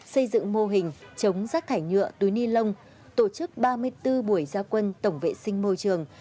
xây dựng mô hình chống rác thải nhựa túi ni lông tổ chức ba mươi bốn buổi gia quân tổng vệ sinh môi trường